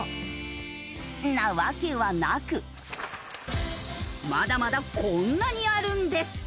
なわけはなくまだまだこんなにあるんです。